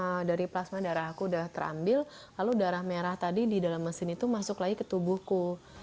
nah dari plasma darah aku udah terambil lalu darah merah tadi di dalam mesin itu masuk lagi ke tubuhku